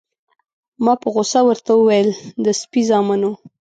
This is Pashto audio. ما په غوسه ورته وویل: د سپي زامنو.